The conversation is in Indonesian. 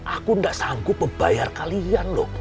aku tidak sanggup membayar kalian loh